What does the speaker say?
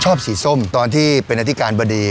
สีส้มตอนที่เป็นอธิการบดี